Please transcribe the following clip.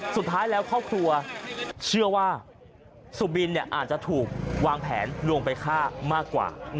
สุดท้ายแล้วครอบครัวเชื่อว่าสุบินอาจจะถูกวางแผนลวงไปฆ่ามากกว่า